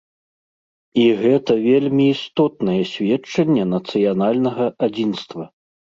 І гэта вельмі істотнае сведчанне нацыянальнага адзінства.